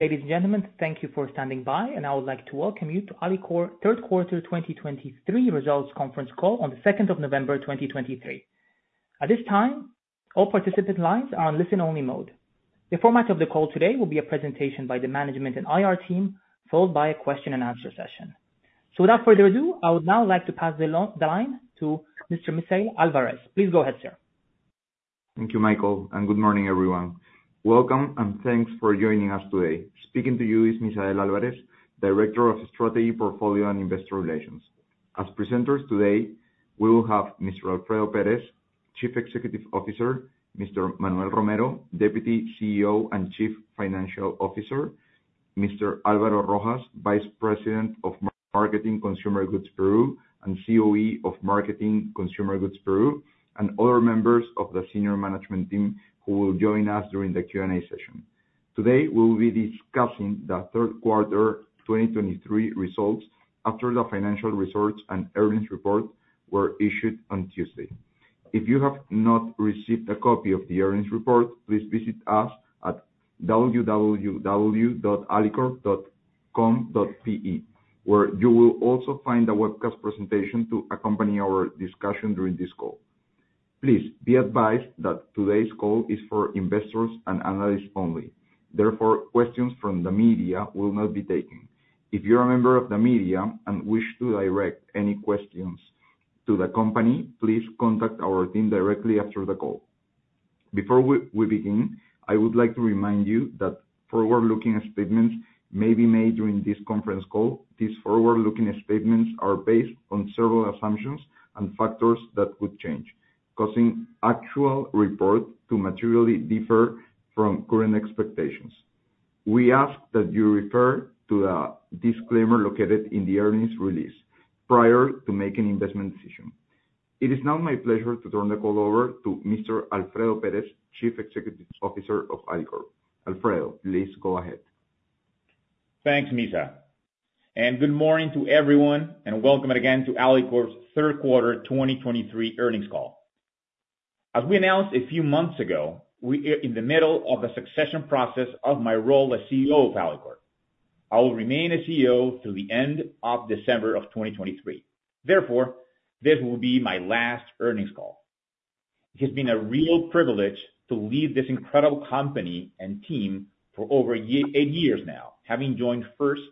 Ladies and gentlemen, thank you for standing by, and I would like to welcome you to Alicorp third quarter 2023 Results Conference Call on the second of November, 2023. At this time, all participant lines are on listen-only mode. The format of the call today will be a presentation by the management and IR team, followed by a question and answer session. So without further ado, I would now like to pass the line to Mr. Misael Álvarez. Please go ahead, sir. Thank you, Michael, and good morning, everyone. Welcome, and thanks for joining us today. Speaking to you is Misael Álvarez, Director of Strategy, Portfolio, and Investor Relations. As presenters today, we will have Mr. Alfredo Pérez, Chief Executive Officer, Mr. Manuel Romero, Deputy CEO and Chief Financial Officer, Mr. Álvaro Rojas, Vice President of Marketing Consumer Goods Peru, and COE of Marketing Consumer Goods Peru, and other members of the senior management team who will join us during the Q&A session. Today, we will be discussing the third quarter 2023 results after the financial results and earnings report were issued on Tuesday. If you have not received a copy of the earnings report, please visit us at www.alicorp.com.pe, where you will also find a webcast presentation to accompany our discussion during this call. Please be advised that today's call is for investors and analysts only. Therefore, questions from the media will not be taken. If you're a member of the media and wish to direct any questions to the company, please contact our team directly after the call. Before we begin, I would like to remind you that forward-looking statements may be made during this conference call. These forward-looking statements are based on several assumptions and factors that could change, causing actual report to materially differ from current expectations. We ask that you refer to the disclaimer located in the earnings release prior to making an investment decision. It is now my pleasure to turn the call over to Mr. Alfredo Pérez, Chief Executive Officer of Alicorp. Alfredo, please go ahead. Thanks, Misa, and good morning to everyone, and welcome again to Alicorp's Q3 2023 earnings call. As we announced a few months ago, we are in the middle of a succession process of my role as CEO of Alicorp. I will remain as CEO till the end of December 2023. Therefore, this will be my last earnings call. It has been a real privilege to lead this incredible company and team for over 8 years now, having joined first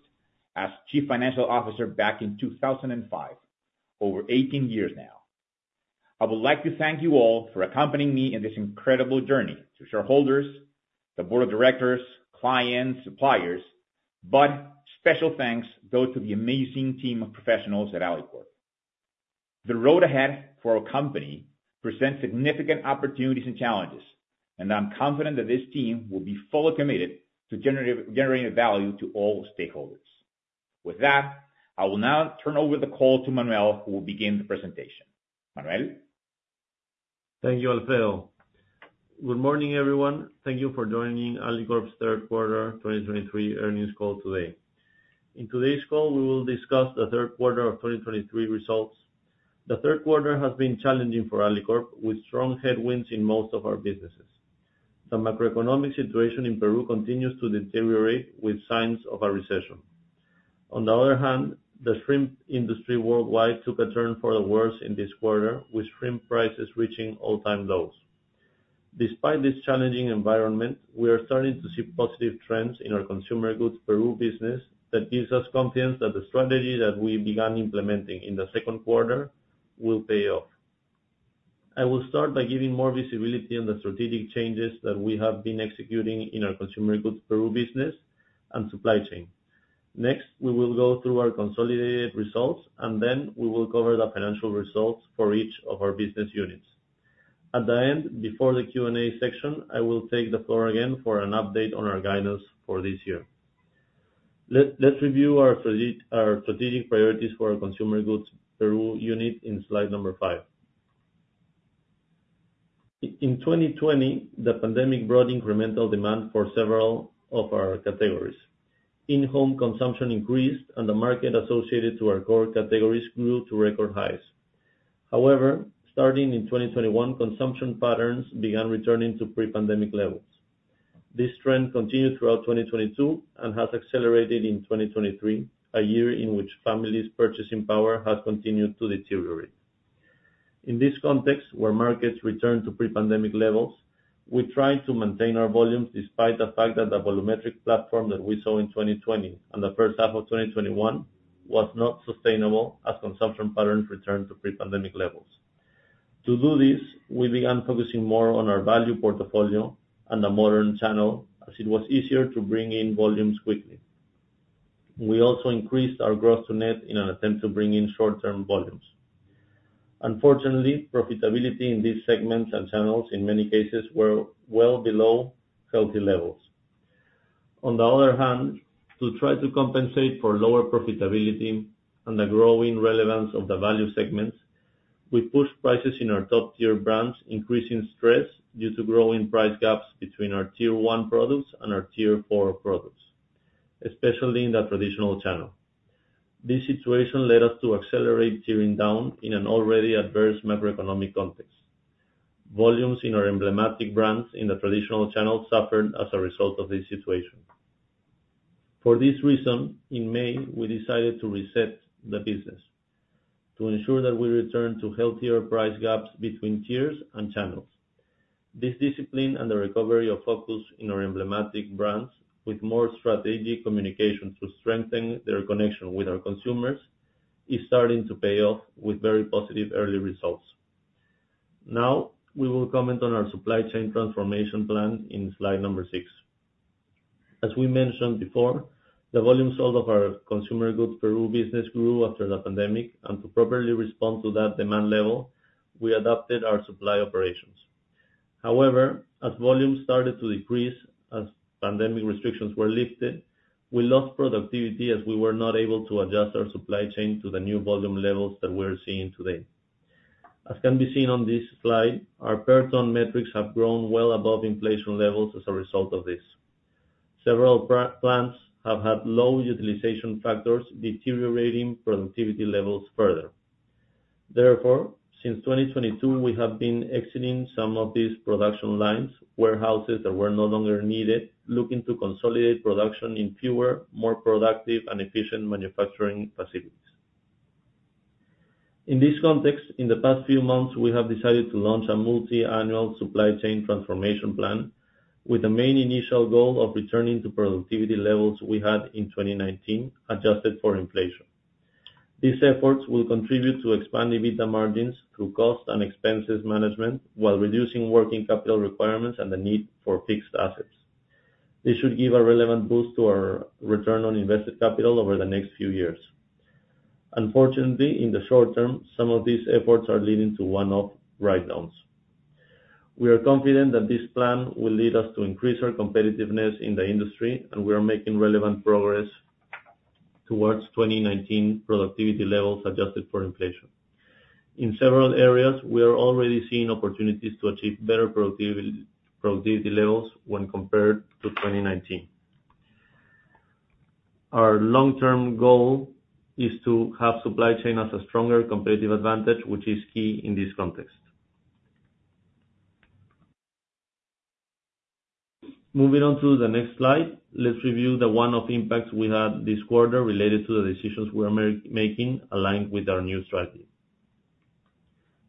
as Chief Financial Officer back in 2005. Over 18 years now. I would like to thank you all for accompanying me in this incredible journey: to shareholders, the board of directors, clients, suppliers, but special thanks goes to the amazing team of professionals at Alicorp. The road ahead for our company presents significant opportunities and challenges, and I'm confident that this team will be fully committed to generating value to all stakeholders. With that, I will now turn over the call to Manuel, who will begin the presentation. Manuel? Thank you, Alfredo. Good morning, everyone. Thank you for joining Alicorp's third quarter 2023 earnings call today. In today's call, we will discuss the third quarter of 2023 results. The third quarter has been challenging for Alicorp, with strong headwinds in most of our businesses. The macroeconomic situation in Peru continues to deteriorate, with signs of a recession. On the other hand, the shrimp industry worldwide took a turn for the worse in this quarter, with shrimp prices reaching all-time lows. Despite this challenging environment, we are starting to see positive trends in our consumer goods Peru business that gives us confidence that the strategy that we began implementing in the second quarter will pay off. I will start by giving more visibility on the strategic changes that we have been executing in our consumer goods Peru business and supply chain. Next, we will go through our consolidated results, and then we will cover the financial results for each of our business units. At the end, before the Q&A section, I will take the floor again for an update on our guidance for this year. Let's review our strategic priorities for our consumer goods Peru unit in slide number 5. In 2020, the pandemic brought incremental demand for several of our categories. In-home consumption increased, and the market associated to our core categories grew to record highs. However, starting in 2021, consumption patterns began returning to pre-pandemic levels. This trend continued throughout 2022 and has accelerated in 2023, a year in which families' purchasing power has continued to deteriorate. In this context, where markets return to pre-pandemic levels, we tried to maintain our volumes despite the fact that the volumetric platform that we saw in 2020 and the first half of 2021 was not sustainable as consumption patterns returned to pre-pandemic levels. To do this, we began focusing more on our value portfolio and the modern channel, as it was easier to bring in volumes quickly. We also increased our gross to net in an attempt to bring in short-term volumes. Unfortunately, profitability in these segments and channels, in many cases, were well below healthy levels. On the other hand, to try to compensate for lower profitability and the growing relevance of the value segments, we pushed prices in our top-tier brands, increasing stress due to growing price gaps between our Tier One products and our Tier Four products, especially in the traditional channel. This situation led us to accelerate tiering down in an already adverse macroeconomic context. Volumes in our emblematic brands in the traditional channel suffered as a result of this situation. For this reason, in May, we decided to reset the business to ensure that we return to healthier price gaps between tiers and channels. This discipline and the recovery of focus in our emblematic brands, with more strategic communication to strengthen their connection with our consumers, is starting to pay off with very positive early results. Now, we will comment on our supply chain transformation plan in slide number 6. As we mentioned before, the volume sold of our Consumer Goods Peru business grew after the pandemic, and to properly respond to that demand level, we adapted our supply operations. However, as volumes started to decrease, as pandemic restrictions were lifted, we lost productivity as we were not able to adjust our supply chain to the new volume levels that we're seeing today. As can be seen on this slide, our per ton metrics have grown well above inflation levels as a result of this. Several plants have had low utilization factors, deteriorating productivity levels further. Therefore, since 2022, we have been exiting some of these production lines, warehouses that were no longer needed, looking to consolidate production in fewer, more productive, and efficient manufacturing facilities. In this context, in the past few months, we have decided to launch a multi-annual supply chain transformation plan, with the main initial goal of returning to productivity levels we had in 2019, adjusted for inflation. These efforts will contribute to expanding EBITDA margins through cost and expenses management, while reducing working capital requirements and the need for fixed assets. This should give a relevant boost to our return on invested capital over the next few years. Unfortunately, in the short term, some of these efforts are leading to one-off write-downs. We are confident that this plan will lead us to increase our competitiveness in the industry, and we are making relevant progress towards 2019 productivity levels, adjusted for inflation. In several areas, we are already seeing opportunities to achieve better productivity, productivity levels when compared to 2019. Our long-term goal is to have supply chain as a stronger competitive advantage, which is key in this context. Moving on to the next slide, let's review the one-off impacts we had this quarter related to the decisions we are making, aligned with our new strategy.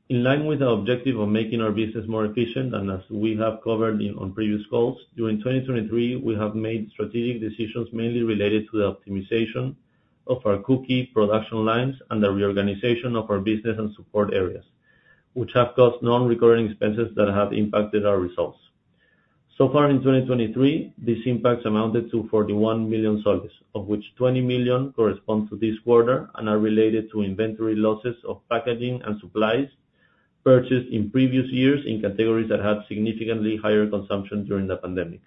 In line with our objective of making our business more efficient, and as we have covered on previous calls, during 2023, we have made strategic decisions, mainly related to the optimization of our cookie production lines and the reorganization of our business and support areas, which have caused non-recurring expenses that have impacted our results. So far in 2023, these impacts amounted to PEN 41 million, of which PEN 20 million correspond to this quarter and are related to inventory losses of packaging and supplies purchased in previous years in categories that had significantly higher consumption during the pandemic.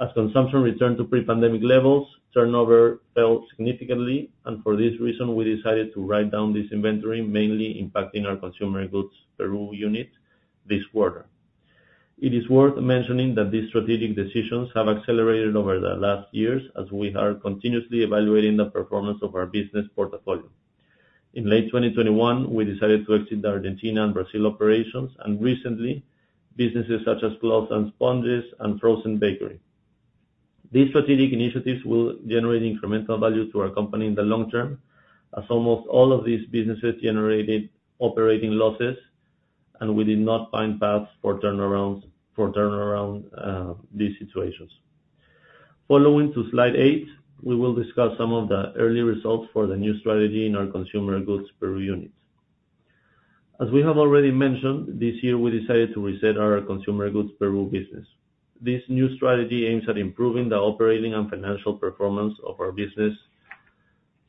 As consumption returned to pre-pandemic levels, turnover fell significantly, and for this reason, we decided to write down this inventory, mainly impacting our consumer goods Peru unit this quarter. It is worth mentioning that these strategic decisions have accelerated over the last years, as we are continuously evaluating the performance of our business portfolio. In late 2021, we decided to exit the Argentina and Brazil operations and recently, businesses such as gloves and sponges and frozen bakery. These strategic initiatives will generate incremental value to our company in the long term, as almost all of these businesses generated operating losses, and we did not find paths for turnaround of these situations. Following to slide 8, we will discuss some of the early results for the new strategy in our consumer goods Peru unit. As we have already mentioned, this year we decided to reset our consumer goods Peru business. This new strategy aims at improving the operating and financial performance of our business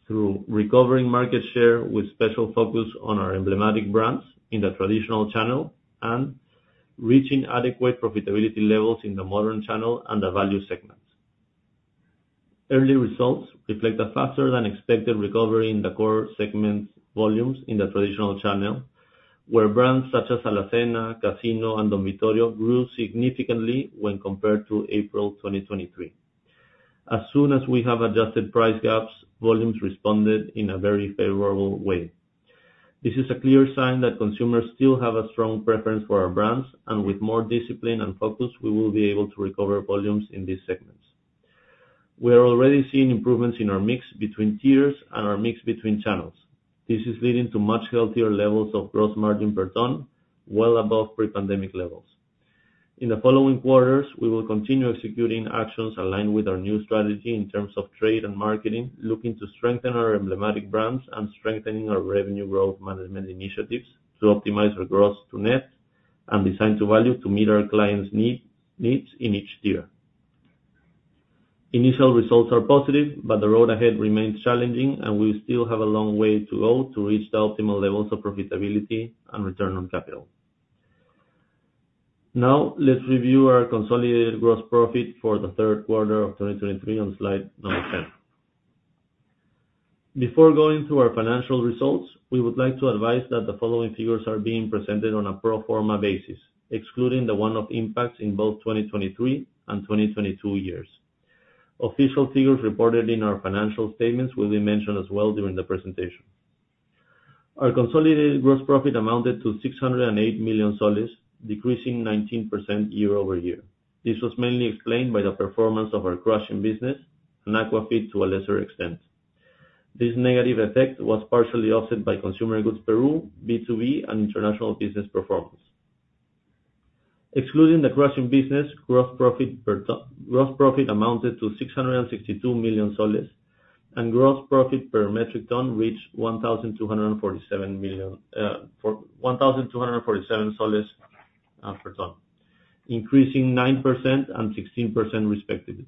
through recovering market share, with special focus on our emblematic brands in the traditional channel, and reaching adequate profitability levels in the modern channel and the value segments. Early results reflect a faster than expected recovery in the core segments' volumes in the traditional channel, where brands such as Alacena, Casino, and Don Vittorio grew significantly when compared to April 2023. As soon as we have adjusted price gaps, volumes responded in a very favorable way. This is a clear sign that consumers still have a strong preference for our brands, and with more discipline and focus, we will be able to recover volumes in these segments. We are already seeing improvements in our mix between tiers and our mix between channels. This is leading to much healthier levels of gross margin per ton, well above pre-pandemic levels. In the following quarters, we will continue executing actions aligned with our new strategy in terms of trade and marketing, looking to strengthen our emblematic brands and strengthening our revenue growth management initiatives to optimize our gross to net and design to value to meet our clients need, needs in each tier. Initial results are positive, but the road ahead remains challenging, and we still have a long way to go to reach the optimal levels of profitability and return on capital. Now, let's review our consolidated gross profit for the third quarter of 2023 on slide number 10. Before going through our financial results, we would like to advise that the following figures are being presented on a pro forma basis, excluding the one-off impacts in both 2023 and 2022 years. Official figures reported in our financial statements will be mentioned as well during the presentation. Our consolidated gross profit amounted to PEN 608 million, decreasing 19% year-over-year. This was mainly explained by the performance of our crushing business, and aqua feed to a lesser extent. This negative effect was partially offset by consumer goods Peru, B2B, and international business performance. Excluding the crushing business, gross profit per ton, gross profit amounted to PEN 662 million, and gross profit per metric ton reached 1,247 million, for 1,247 soles per ton, increasing 9% and 16% respectively.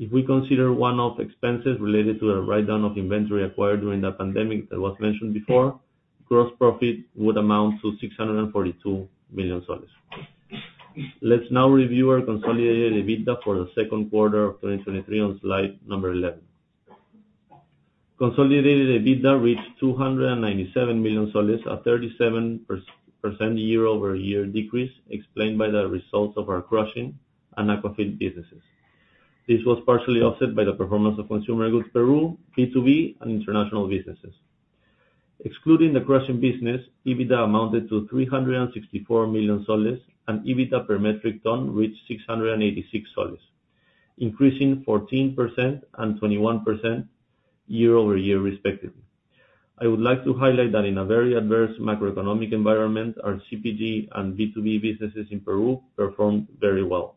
If we consider one-off expenses related to the write-down of inventory acquired during the pandemic, that was mentioned before, gross profit would amount to PEN 642 million. Let's now review our consolidated EBITDA for the second quarter of 2023 on slide number 11. Consolidated EBITDA reached PEN 297 million, a 37% year-over-year decrease, explained by the results of our crushing and aqua feed businesses. This was partially offset by the performance of consumer goods Peru, B2B, and international businesses. Excluding the crushing business, EBITDA amounted to PEN 364 million, and EBITDA per metric ton reached PEN 686, increasing 14% and 21% year-over-year, respectively. I would like to highlight that in a very adverse macroeconomic environment, our CPG and B2B businesses in Peru performed very well.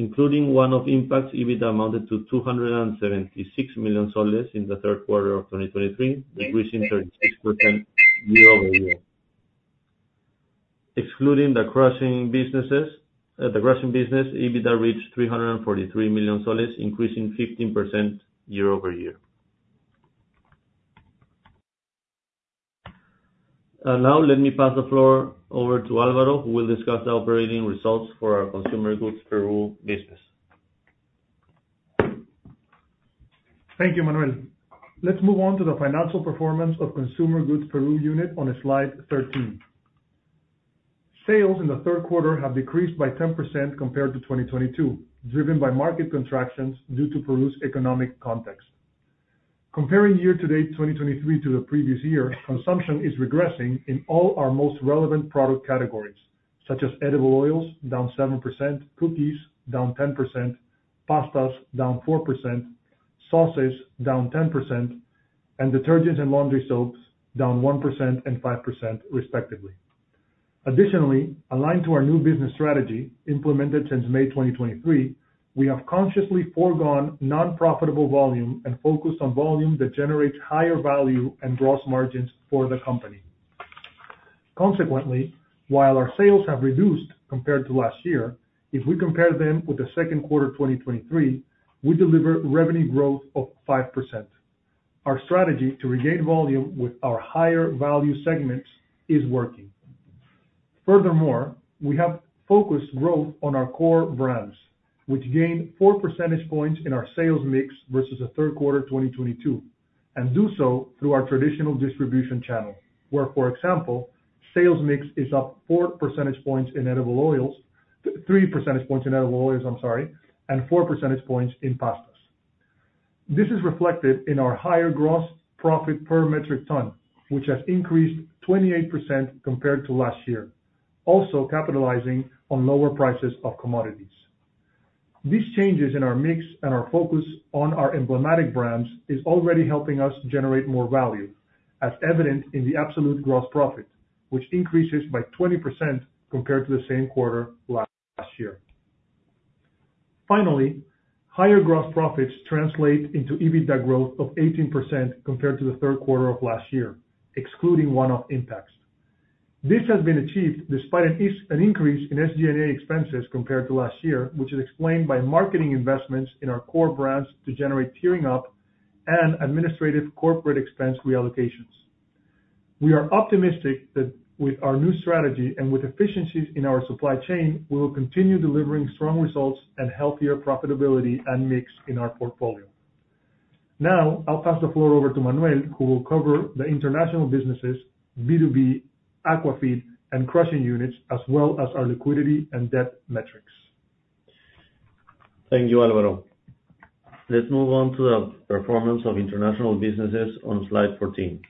Including one of the impacts, EBITDA amounted to PEN 276 million in the third quarter of 2023, decreasing 36% year-over-year. Excluding the crushing businesses, the crushing business, EBITDA reached PEN 343 million, increasing 15% year-over-year. Now, let me pass the floor over to Álvaro, who will discuss the operating results for our consumer goods Peru business. Thank you, Manuel. Let's move on to the financial performance of Consumer Goods Peru unit on slide 13. Sales in the third quarter have decreased by 10% compared to 2022, driven by market contractions due to Peru's economic context. Comparing year-to-date 2023 to the previous year, consumption is regressing in all our most relevant product categories, such as edible oils, down 7%, cookies, down 10%, pastas, down 4%, sauces, down 10%, and detergents and laundry soaps, down 1% and 5%, respectively. Additionally, aligned to our new business strategy, implemented since May 2023, we have consciously foregone non-profitable volume and focused on volume that generates higher value and gross margins for the company. Consequently, while our sales have reduced compared to last year, if we compare them with the second quarter 2023, we delivered revenue growth of 5%. Our strategy to regain volume with our higher value segments is working. Furthermore, we have focused growth on our core brands, which gained 4 percentage points in our sales mix versus the third quarter 2022, and do so through our traditional distribution channel, where, for example, sales mix is up 4 percentage points in edible oils, three percentage points in edible oils, I'm sorry, and 4 percentage points in pastas. This is reflected in our higher gross profit per metric ton, which has increased 28% compared to last year, also capitalizing on lower prices of commodities. These changes in our mix and our focus on our emblematic brands is already helping us generate more value, as evident in the absolute gross profit, which increases by 20% compared to the same quarter last year. Finally, higher gross profits translate into EBITDA growth of 18% compared to the third quarter of last year, excluding one-off impacts. This has been achieved despite an increase in SG&A expenses compared to last year, which is explained by marketing investments in our core brands to generate tiering up and administrative corporate expense reallocations. We are optimistic that with our new strategy and with efficiencies in our supply chain, we will continue delivering strong results and healthier profitability and mix in our portfolio. Now, I'll pass the floor over to Manuel, who will cover the international businesses, B2B, aqua feed, and crushing units, as well as our liquidity and debt metrics. Thank you, Alvaro. Let's move on to the performance of international businesses on slide 14.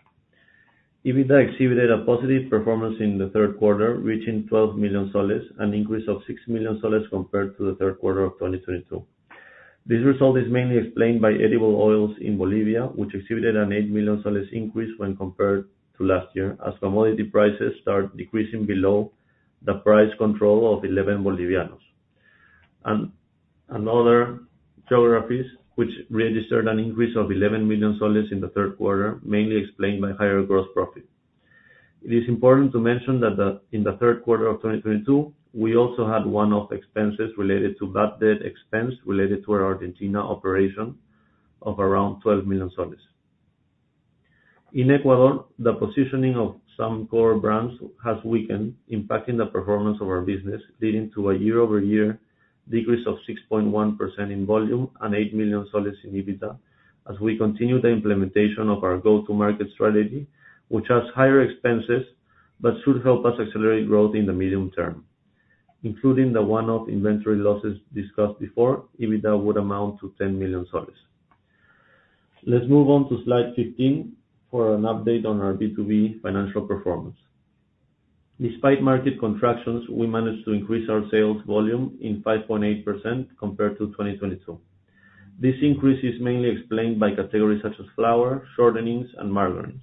EBITDA exhibited a positive performance in the third quarter, reaching PEN 12 million, an increase of PEN 6 million compared to the third quarter of 2022. This result is mainly explained by edible oils in Bolivia, which exhibited an PEN 8 million increase when compared to last year, as commodity prices start decreasing below the price control of 11 BOB. And other geographies, which registered an increase of PEN 11 million in the third quarter, mainly explained by higher gross profit. It is important to mention that in the third quarter of 2022, we also had one-off expenses related to bad debt expense related to our Argentina operation of around PEN 12 million. In Ecuador, the positioning of some core brands has weakened, impacting the performance of our business, leading to a year-over-year decrease of 6.1% in volume and PEN 8 million in EBITDA, as we continue the implementation of our go-to-market strategy, which has higher expenses but should help us accelerate growth in the medium term. Including the one-off inventory losses discussed before, EBITDA would amount to PEN 10 million soles. Let's move on to Slide 15 for an update on our B2B financial performance. Despite market contractions, we managed to increase our sales volume 5.8% compared to 2022. This increase is mainly explained by categories such as flour, shortenings, and margarines.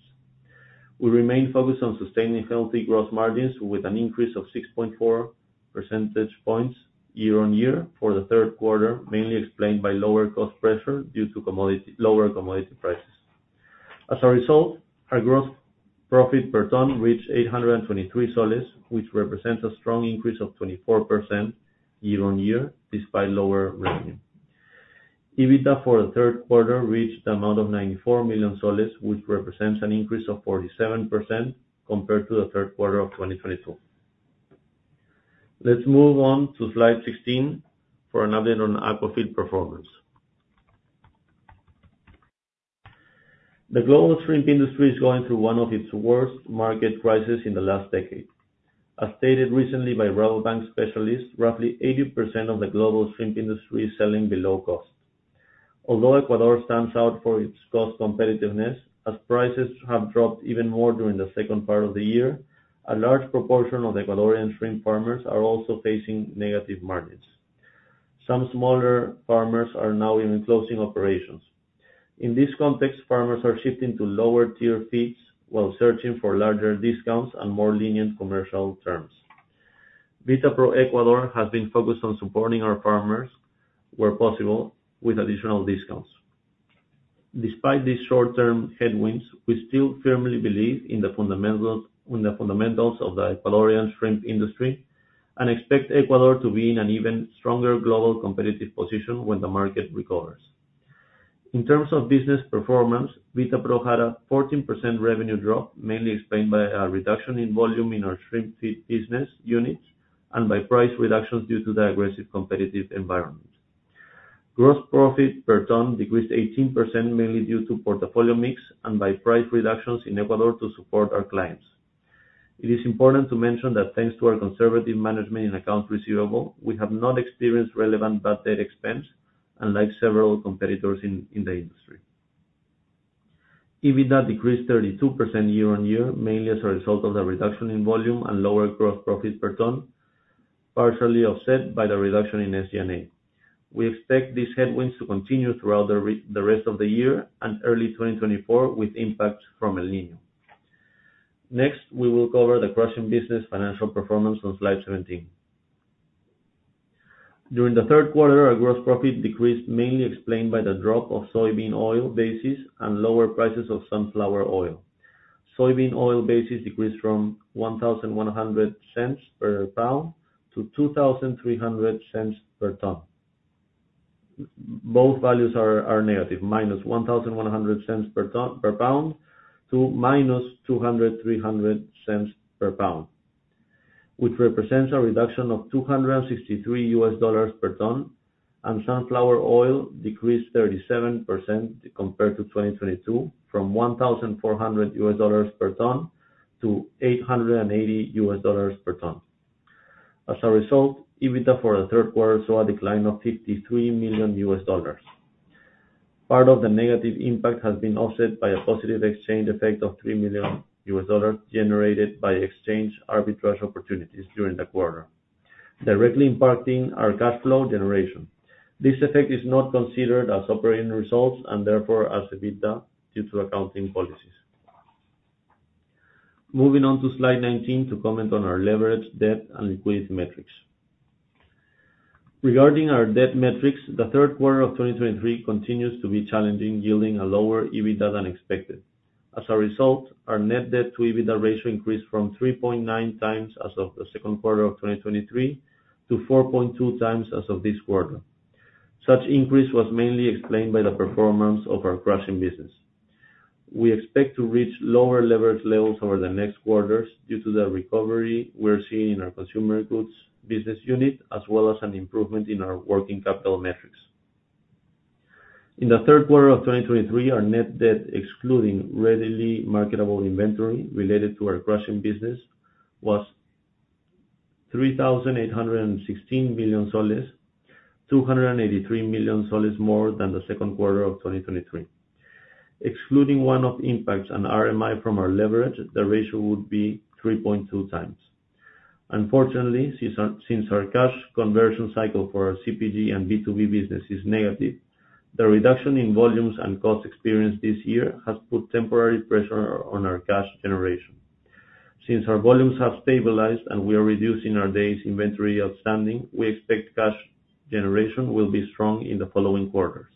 We remain focused on sustaining healthy gross margins, with an increase of 6.4 percentage points year-on-year for the third quarter, mainly explained by lower cost pressure due to lower commodity prices. As a result, our gross profit per ton reached 823 PEN, which represents a strong increase of 24% year-on-year, despite lower revenue. EBITDA for the third quarter reached the amount of PEN 94 million, which represents an increase of 47% compared to the third quarter of 2022. Let's move on to Slide 16 for an update on Aquafeed performance. The global shrimp industry is going through one of its worst market crises in the last decade. As stated recently by Royal Bank specialists, roughly 80% of the global shrimp industry is selling below cost. Although Ecuador stands out for its cost competitiveness, as prices have dropped even more during the second part of the year, a large proportion of Ecuadorian shrimp farmers are also facing negative margins. Some smaller farmers are now even closing operations. In this context, farmers are shifting to lower tier feeds while searching for larger discounts and more lenient commercial terms. Vitapro Ecuador has been focused on supporting our farmers, where possible, with additional discounts. Despite these short-term headwinds, we still firmly believe in the fundamental, in the fundamentals of the Ecuadorian shrimp industry, and expect Ecuador to be in an even stronger global competitive position when the market recovers. In terms of business performance, Vitapro had a 14% revenue drop, mainly explained by a reduction in volume in our shrimp feed business units and by price reductions due to the aggressive competitive environment. Gross profit per ton decreased 18%, mainly due to portfolio mix and by price reductions in Ecuador to support our clients. It is important to mention that thanks to our conservative management in accounts receivable, we have not experienced relevant bad debt expense, unlike several competitors in the industry. EBITDA decreased 32% year-on-year, mainly as a result of the reduction in volume and lower gross profits per ton, partially offset by the reduction in SG&A. We expect these headwinds to continue throughout the rest of the year and early 2024, with impacts from El Niño. Next, we will cover the crushing business financial performance on Slide 17. During the third quarter, our gross profit decreased, mainly explained by the drop of soybean oil basis and lower prices of sunflower oil. Soybean oil basis decreased from 1,100 cents per pound to 2,300 cents per ton. Both values are negative, minus 1,100 cents per ton per pound to minus 200-300 cents per pound, which represents a reduction of $263 per ton, and sunflower oil decreased 37% compared to 2022, from $1,400 per ton to $880 per ton. As a result, EBITDA for the third quarter saw a decline of $53 million. Part of the negative impact has been offset by a positive exchange effect of $3 million, generated by exchange arbitrage opportunities during the quarter, directly impacting our cash flow generation. This effect is not considered as operating results and therefore as EBITDA, due to accounting policies. Moving on to Slide 19 to comment on our leverage, debt, and liquidity metrics. Regarding our debt metrics, the third quarter of 2023 continues to be challenging, yielding a lower EBITDA than expected. As a result, our net debt to EBITDA ratio increased from 3.9 times as of the second quarter of 2023, to 4.2 times as of this quarter. Such increase was mainly explained by the performance of our crushing business. We expect to reach lower leverage levels over the next quarters due to the recovery we're seeing in our consumer goods business unit, as well as an improvement in our working capital metrics. In the third quarter of 2023, our net debt, excluding readily marketable inventory related to our crushing business, was PEN 3,816 million, PEN 283 million more than the second quarter of 2023. Excluding one-off impacts on RMI from our leverage, the ratio would be 3.2 times. Unfortunately, since our cash conversion cycle for our CPG and B2B business is negative, the reduction in volumes and cost experienced this year has put temporary pressure on our cash generation. Since our volumes have stabilized and we are reducing our days inventory outstanding, we expect cash generation will be strong in the following quarters.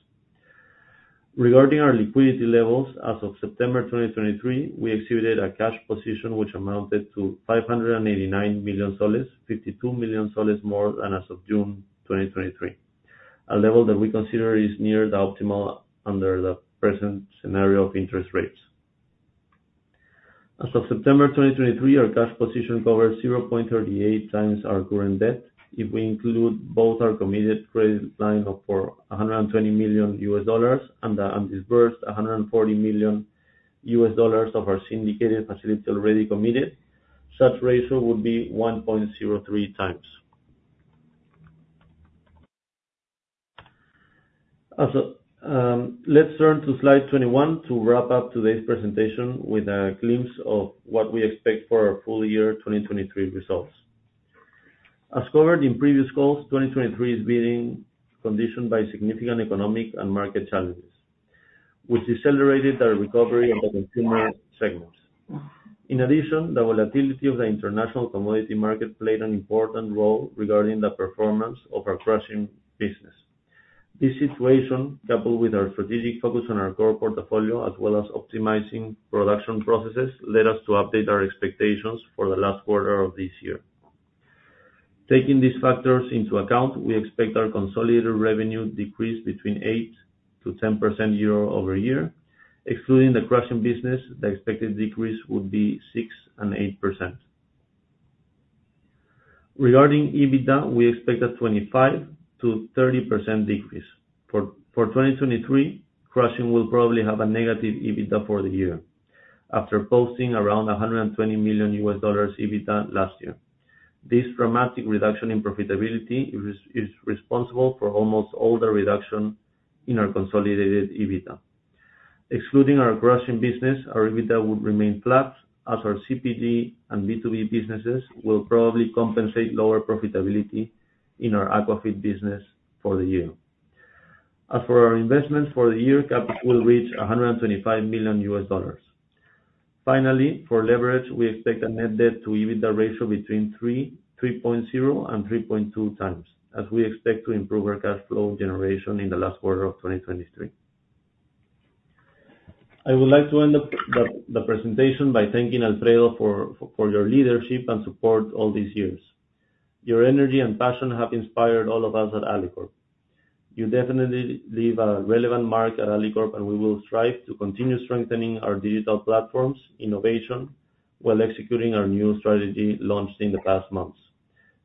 Regarding our liquidity levels, as of September 2023, we exhibited a cash position which amounted to PEN 589 million, PEN 52 million more than as of June 2023, a level that we consider is near the optimal under the present scenario of interest rates. As of September 2023, our cash position covers 0.38 times our current debt. If we include both our committed credit line of $420 million and the undisbursed $140 million of our syndicated facilities already committed, such ratio would be 1.03 times.... Also, let's turn to slide 21 to wrap up today's presentation with a glimpse of what we expect for our full year 2023 results. As covered in previous calls, 2023 is being conditioned by significant economic and market challenges, which decelerated our recovery in the consumer segments. In addition, the volatility of the international commodity market played an important role regarding the performance of our crushing business. This situation, coupled with our strategic focus on our core portfolio, as well as optimizing production processes, led us to update our expectations for the last quarter of this year. Taking these factors into account, we expect our consolidated revenue decrease between 8%-10% year-over-year. Excluding the crushing business, the expected decrease would be 6%-8%. Regarding EBITDA, we expect a 25%-30% decrease. For 2023, crushing will probably have a negative EBITDA for the year, after posting around $120 million EBITDA last year. This dramatic reduction in profitability is responsible for almost all the reduction in our consolidated EBITDA. Excluding our crushing business, our EBITDA will remain flat, as our CPG and B2B businesses will probably compensate lower profitability in our aquafeed business for the year. As for our investments for the year, capital will reach $125 million. Finally, for leverage, we expect a net debt to EBITDA ratio between 3.0 and 3.2 times, as we expect to improve our cash flow generation in the last quarter of 2023. I would like to end the presentation by thanking Alfredo for your leadership and support all these years. Your energy and passion have inspired all of us at Alicorp. You definitely leave a relevant mark at Alicorp, and we will strive to continue strengthening our digital platforms, innovation, while executing our new strategy launched in the past months.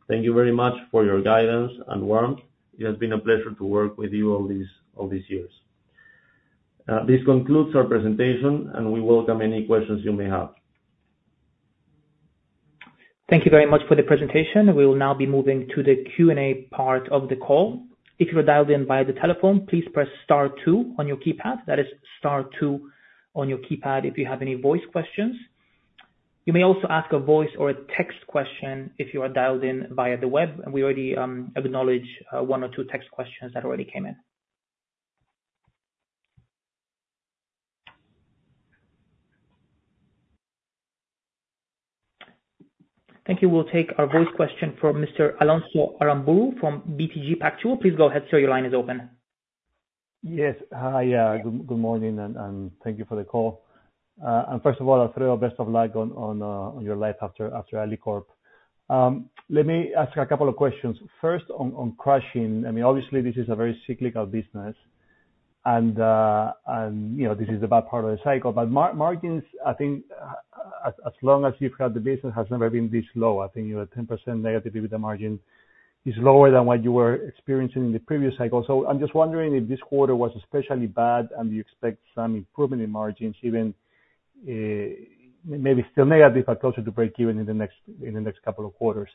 Thank you very much for your guidance and warmth. It has been a pleasure to work with you all these years. This concludes our presentation, and we welcome any questions you may have. Thank you very much for the presentation. We will now be moving to the Q&A part of the call. If you are dialed in via the telephone, please press star two on your keypad. That is star two on your keypad, if you have any voice questions. You may also ask a voice or a text question if you are dialed in via the web, and we already acknowledge one or two text questions that already came in. Thank you. We'll take a voice question from Mr. Alonso Aramburu from BTG Pactual. Please go ahead, sir. Your line is open. Yes. Hi, good morning, and thank you for the call. First of all, Alfredo, best of luck on your life after Alicorp. Let me ask a couple of questions. First, on crushing, I mean, obviously this is a very cyclical business, and you know, this is the bad part of the cycle. But margins, I think, as long as you've had the business, has never been this low. I think you're at 10% negative EBITDA margin is lower than what you were experiencing in the previous cycle. So I'm just wondering if this quarter was especially bad, and do you expect some improvement in margins even, maybe still negative, but closer to breakeven in the next couple of quarters?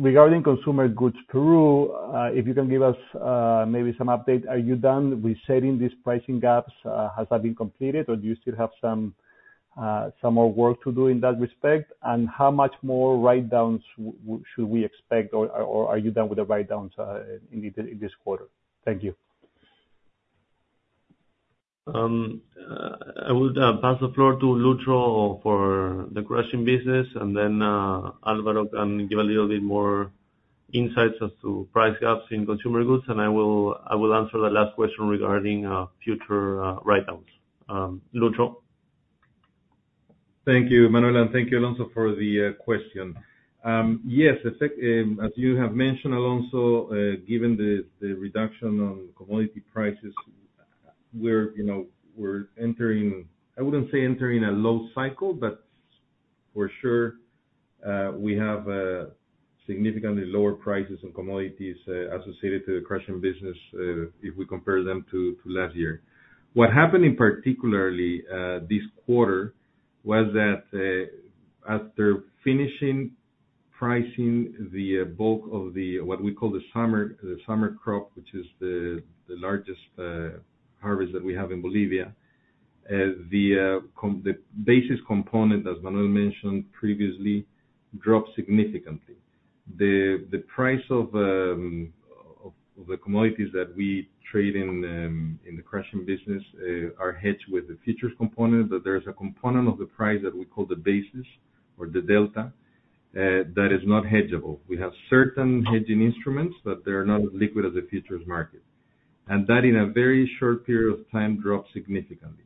Regarding consumer goods Peru, if you can give us maybe some update. Are you done with setting these pricing gaps? Has that been completed, or do you still have some more work to do in that respect? How much more write-downs should we expect, or are you done with the write-downs in this quarter? Thank you. I would pass the floor to Lutro for the crushing business, and then Álvaro can give a little bit more insights as to price gaps in consumer goods, and I will, I will answer the last question regarding future write-downs. Lutro? Thank you, Manuel, and thank you, Alonso, for the question. Yes, effect, as you have mentioned, Alonso, given the reduction on commodity prices, we're, you know, we're entering. I wouldn't say entering a low cycle, but for sure, we have significantly lower prices in commodities associated to the crushing business, if we compare them to last year. What happened in particular this quarter was that, after finishing pricing the bulk of the, what we call the summer, the summer crop, which is the largest harvest that we have in Bolivia, the basis component, as Manuel mentioned previously, dropped significantly. The price of the commodities that we trade in the crushing business are hedged with the futures component, but there is a component of the price that we call the basis or the delta that is not hedgeable. We have certain hedging instruments, but they're not as liquid as the futures market. And that, in a very short period of time, dropped significantly.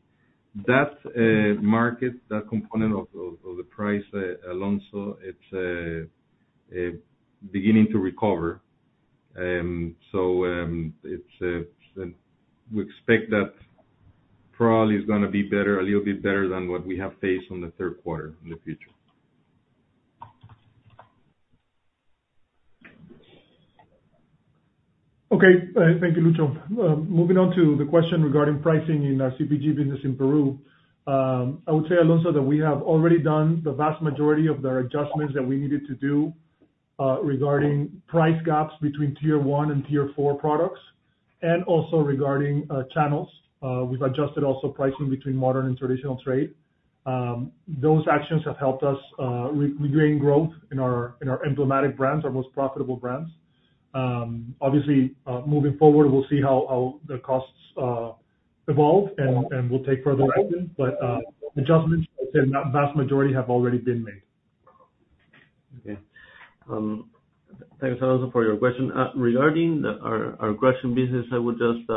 That market, that component of the price, Alonso, it's beginning to recover. So, we expect that probably is gonna be better, a little bit better than what we have faced on the third quarter in the future. Okay. Thank you, Lucho. Moving on to the question regarding pricing in our CPG business in Peru. I would say, Alonso, that we have already done the vast majority of the adjustments that we needed to do, regarding price gaps between Tier one and Tier four products, and also regarding channels. We've adjusted also pricing between modern and traditional trade. Those actions have helped us re-regain growth in our emblematic brands, our most profitable brands. Obviously, moving forward, we'll see how the costs evolve and we'll take further action. But adjustments, the vast majority have already been made. Okay. Thanks, Alonso, for your question. Regarding our crushing business, I would just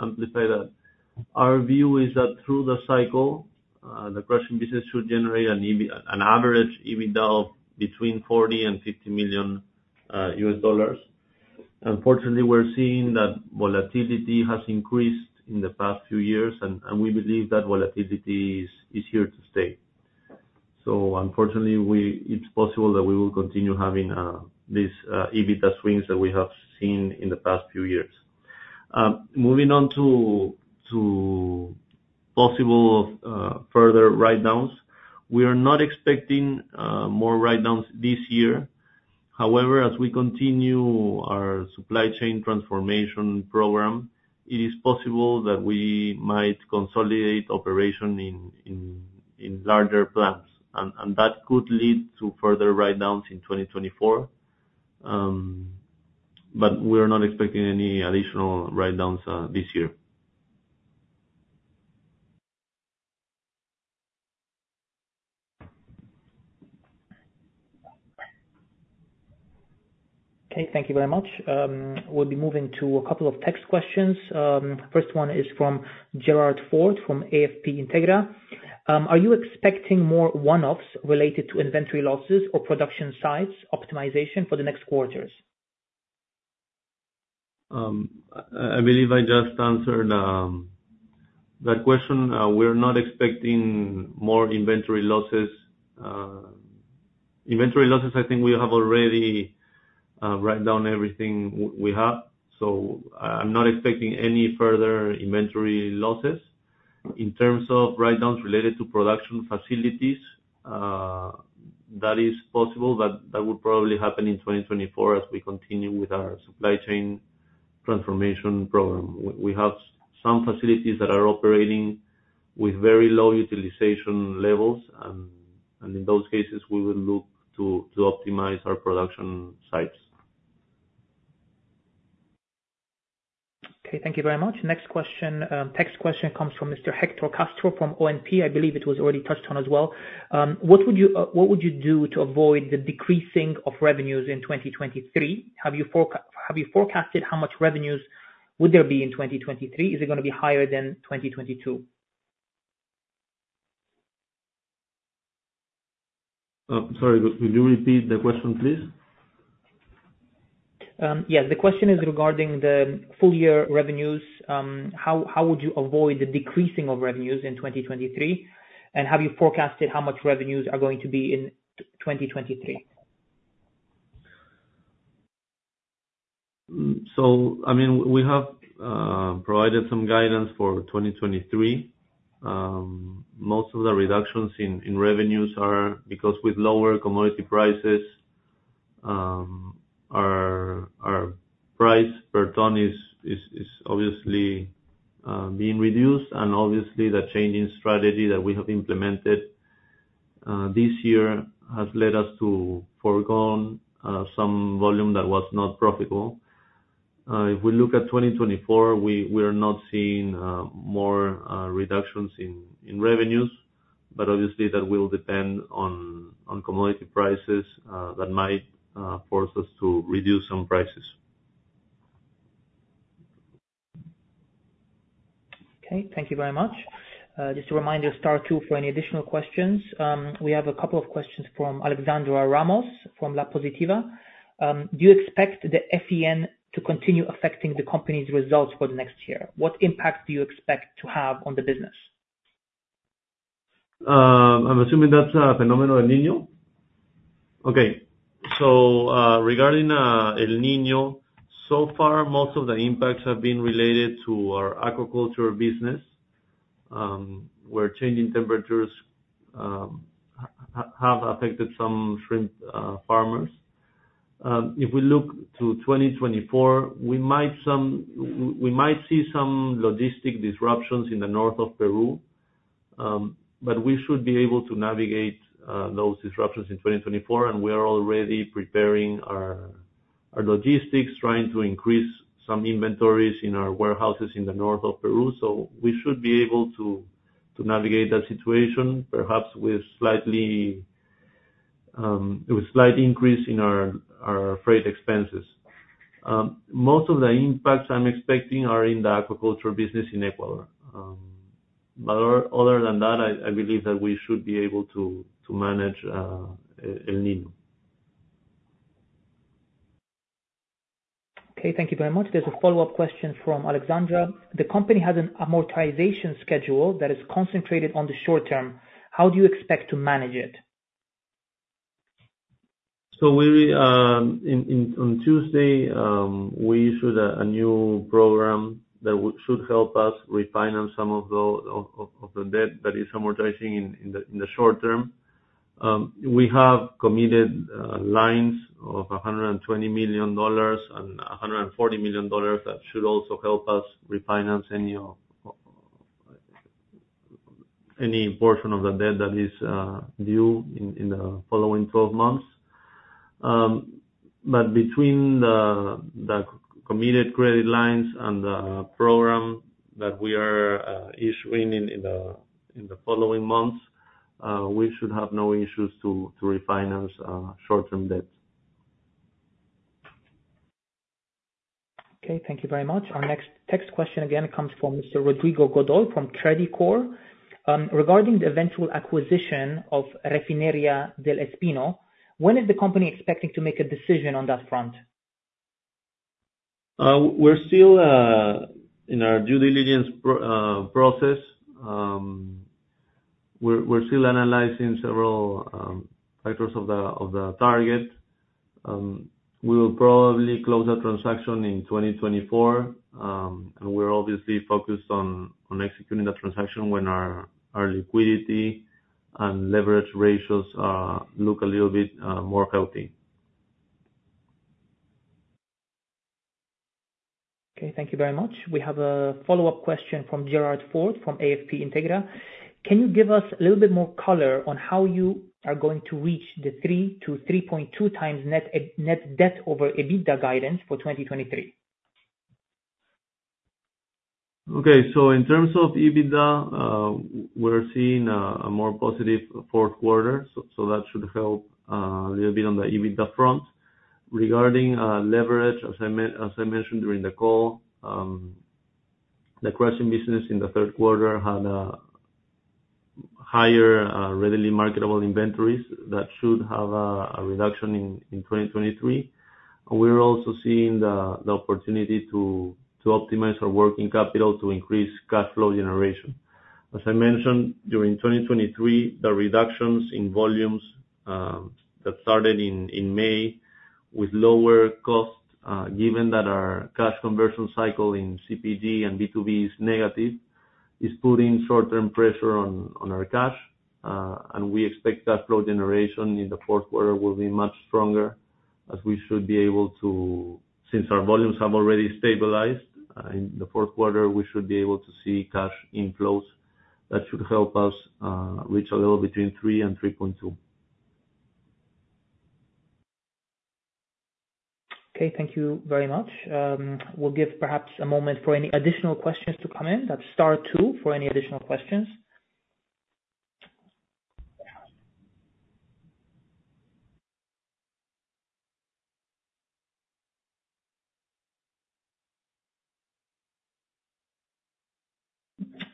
amplify that. Our view is that through the cycle, the crushing business should generate an average EBITDA of between $40 million-$50 million. Unfortunately, we're seeing that volatility has increased in the past few years, and we believe that volatility is here to stay. So unfortunately, it's possible that we will continue having these EBITDA swings that we have seen in the past few years. Moving on to possible further write-downs. We are not expecting more write-downs this year. However, as we continue our supply chain transformation program, it is possible that we might consolidate operation in larger plants, and that could lead to further write-downs in 2024. But we're not expecting any additional write-downs this year. Okay, thank you very much. We'll be moving to a couple of text questions. First one is from Gerard Ford, from AFP Integra. Are you expecting more one-offs related to inventory losses or production sites optimization for the next quarters? I believe I just answered that question. We're not expecting more inventory losses. Inventory losses, I think we have already written down everything we have, so I'm not expecting any further inventory losses. In terms of write-downs related to production facilities, that is possible, but that would probably happen in 2024 as we continue with our supply chain transformation program. We have some facilities that are operating with very low utilization levels, and in those cases, we will look to optimize our production sites. Okay, thank you very much. Next question, text question comes from Mr. Hector Castro, from ONP. I believe it was already touched on as well. What would you do to avoid the decreasing of revenues in 2023? Have you forecasted how much revenues would there be in 2023? Is it going to be higher than 2022? Sorry, could you repeat the question, please? Yes, the question is regarding the full year revenues. How would you avoid the decreasing of revenues in 2023? And have you forecasted how much revenues are going to be in 2023? So I mean, we have provided some guidance for 2023. Most of the reductions in revenues are because with lower commodity prices, our price per ton is obviously being reduced, and obviously, the changing strategy that we have implemented this year has led us to forgo some volume that was not profitable. If we look at 2024, we're not seeing more reductions in revenues, but obviously, that will depend on commodity prices that might force us to reduce some prices. Okay, thank you very much. Just a reminder, star two for any additional questions. We have a couple of questions from Alexandra Ramos, from La Positiva. Do you expect the El Niño to continue affecting the company's results for the next year? What impact do you expect to have on the business? I'm assuming that's Fenómeno El Niño? Okay. So, regarding El Niño, so far, most of the impacts have been related to our aquaculture business, where changing temperatures have affected some shrimp farmers. If we look to 2024, we might see some logistic disruptions in the north of Peru, but we should be able to navigate those disruptions in 2024, and we are already preparing our logistics, trying to increase some inventories in our warehouses in the north of Peru. So we should be able to navigate that situation, perhaps with slight increase in our freight expenses. Most of the impacts I'm expecting are in the aquaculture business in Ecuador. But other than that, I believe that we should be able to manage El Niño. Okay, thank you very much. There's a follow-up question from Alexandra. The company has an amortization schedule that is concentrated on the short term. How do you expect to manage it? So we on Tuesday issued a new program that should help us refinance some of the debt that is amortizing in the short term. We have committed lines of $120 million and $140 million that should also help us refinance any portion of the debt that is due in the following 12 months. But between the committed credit lines and the program that we are issuing in the following months, we should have no issues to refinance short-term debt. Okay, thank you very much. Our next text question again comes from Mr. Rodrigo Godoy from Tradicore. Regarding the eventual acquisition of Refinería del Espino, when is the company expecting to make a decision on that front? We're still in our due diligence process. We're still analyzing several factors of the target. We will probably close the transaction in 2024. And we're obviously focused on executing the transaction when our liquidity and leverage ratios look a little bit more healthy. Okay, thank you very much. We have a follow-up question from Gerard Ford from AFP Integra. Can you give us a little bit more color on how you are going to reach the 3-3.2 times net debt over EBITDA guidance for 2023? Okay. So in terms of EBITDA, we're seeing a more positive fourth quarter, so that should help a little bit on the EBITDA front. Regarding leverage, as I mentioned during the call, the crushing business in the third quarter had a higher readily marketable inventories that should have a reduction in 2023. We're also seeing the opportunity to optimize our working capital to increase cash flow generation. As I mentioned, during 2023, the reductions in volumes that started in May with lower costs, given that our cash conversion cycle in CPG and B2B is negative, is putting short-term pressure on our cash. And we expect cash flow generation in the fourth quarter will be much stronger, as we should be able to... Since our volumes have already stabilized, in the fourth quarter, we should be able to see cash inflows. That should help us, reach a level between 3 and 3.2. Okay, thank you very much. We'll give perhaps a moment for any additional questions to come in. That's star two for any additional questions.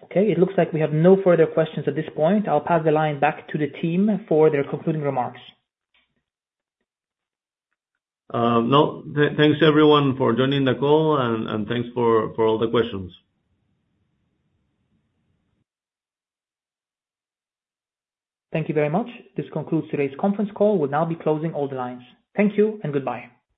Okay, it looks like we have no further questions at this point. I'll pass the line back to the team for their concluding remarks. No. Thanks everyone for joining the call, and thanks for all the questions. Thank you very much. This concludes today's conference call. We'll now be closing all the lines. Thank you and goodbye.